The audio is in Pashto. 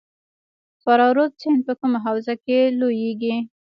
فرا رود سیند په کومه حوزه کې لویږي؟